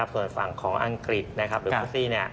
ส่วนฝั่งของอังกฤษนะครับหรือฟุสซี